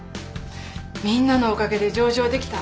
みんなのおかげで上場できた。